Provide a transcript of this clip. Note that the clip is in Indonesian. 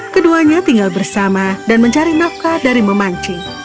keduanya tinggal bersama dan mencari nafkah dari memancing